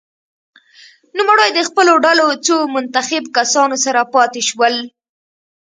نوموړی د خپلو ډلو څو منتخب کسانو سره پاته شول.